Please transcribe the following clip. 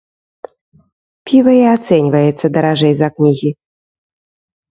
Піва і ацэньваецца даражэй за кнігі.